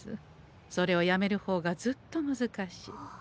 それをやめるほうがずっと難しい。